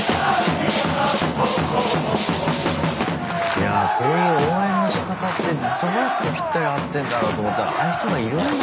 いやこういう応援のしかたってどうやってぴったり合ってんだろうと思ったらああいう人がいるんだ。